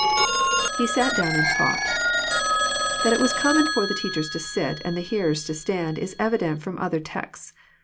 [He sat dovon, and taught.] That It was common for the teachers to sit, and the hearers to stand. Is evident f^om other texts.